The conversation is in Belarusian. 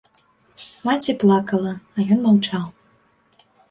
Маці плакала, а ён маўчаў.